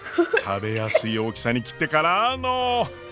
食べやすい大きさに切ってからの。